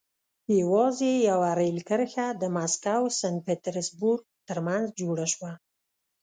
یوازې یوه رېل کرښه د مسکو سن پټزربورګ ترمنځ جوړه شوه.